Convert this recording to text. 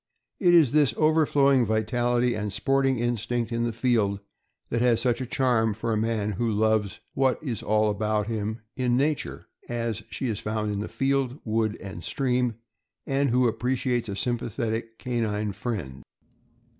It is this over flowing vitality and sporting instinct in the field that has such a charm for a man who loves what is all about him in nature as she is found in field, wood, and stream, and who appreciates a sympathetic canine friend.